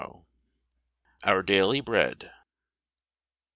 OUR DAILY BREAD.